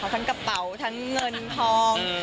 ทั้งกระเป๋าทั้งเงินทอง